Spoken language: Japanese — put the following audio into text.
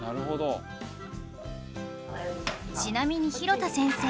ちなみに廣田先生